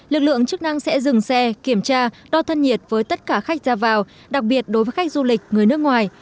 lực lượng chức năng sẽ dừng xe kiểm tra đo thân nhiệt với tất cả khách ra vào đặc biệt đối với khách du lịch người nước ngoài